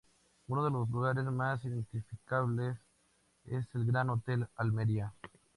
Uno de los lugares más identificables es el Gran Hotel Almería.